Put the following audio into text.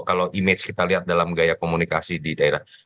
kalau image kita lihat dalam gaya komunikasi di daerah